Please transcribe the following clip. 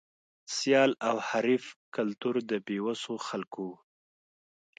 سیال او حریف کلتور د بې وسو خلکو و.